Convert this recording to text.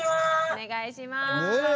お願いします。